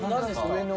上の。